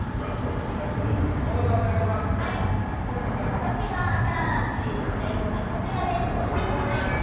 私がチャージしているものはこちらです。